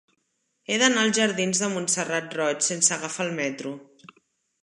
He d'anar als jardins de Montserrat Roig sense agafar el metro.